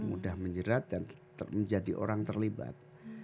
mudah menjerat dan menjadi orang terlibat